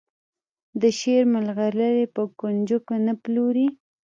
د شعر مرغلرې په کونجکو نه پلوري.